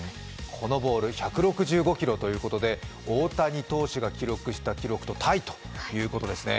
このボール、１６５キロということで大谷投手が記録した記録のタイということですね。